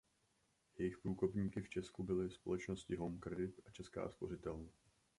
Jejich průkopníky v Česku byly společnosti Home Credit a Česká spořitelna.